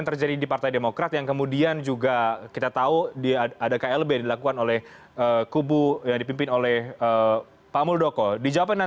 terima kasih pak wellicle juga